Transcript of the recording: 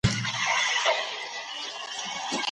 تاسي به پر لاري برابرېږئ .